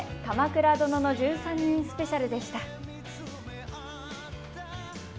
鎌倉殿の１３人スペシャル」でした。